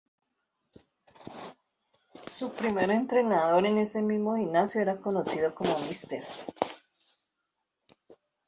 Su primer entrenador, en ese mismo gimnasio, era conocido como Mr.